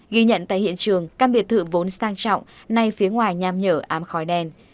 ghi nhận tại hiện trường căn biệt thự vốn sang trọng nay phía ngoài nham nhở ám khói đen